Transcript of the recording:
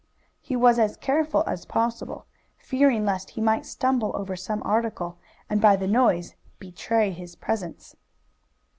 He was as careful as possible, fearing lest he might stumble over some article, and by the noise betray his presence.